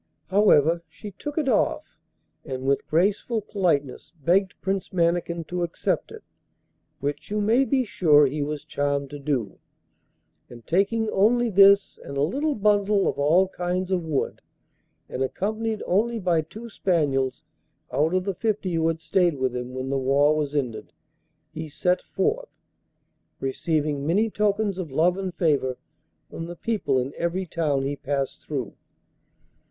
However, she took it off, and with graceful politeness begged Prince Mannikin to accept it, which you may be sure he was charmed to do, and, taking only this and a little bundle of all kinds of wood, and accompanied only by two spaniels out of the fifty who had stayed with him when the war was ended, he set forth, receiving many tokens of love and favour from the people in every town he passed through.